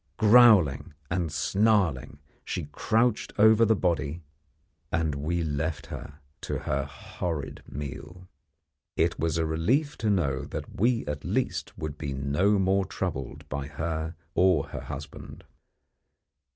Growling and snarling, she crouched over the body, and we left her to her horrid meal. It was a relief to know that we at least would be no more troubled by her or her husband.